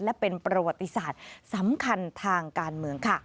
และเป็นประวัติศาสตร์สำคัญทางการเมืองค่ะ